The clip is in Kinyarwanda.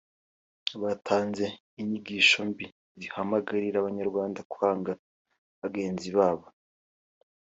batanze inyigisho mbi zihamagarira abanyarwanda kwanga bagenzi babo